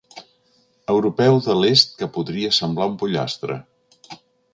Europeu de l'est que podria semblar un pollastre.